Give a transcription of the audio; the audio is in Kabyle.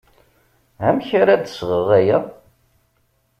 Amek ara d-sɣeɣ aya?